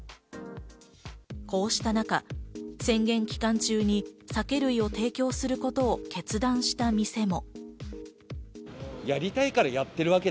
こうした中、宣言期間中に酒類を提供することを決断した店も。